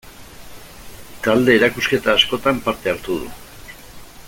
Talde-erakusketa askotan parte hartu du.